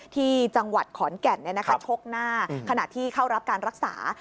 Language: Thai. ที่จังหวัดขอนแก่นชกหน้าขณะที่เข้ารับการรักษา